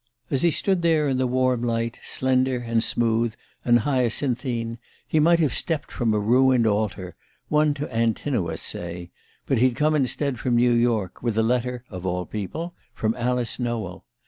As he stood there in the warm light, slender and smooth and hyacinthine, he might have stepped from a ruined altar one to Antinous, say but he'd come instead from New York, with a letter (of all people) from Alice Nowell.